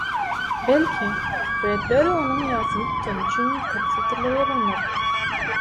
Belki, Bredberi onuň ýasyny tutany üçin ýokarky setirleri ýazandyr?!